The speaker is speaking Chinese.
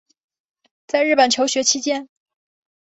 在日本求学期间